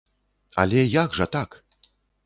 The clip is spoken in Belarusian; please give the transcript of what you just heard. Але як жа так?